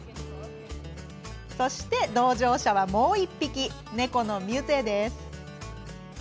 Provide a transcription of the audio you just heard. そして、同乗者がもう１匹猫のミュゼです。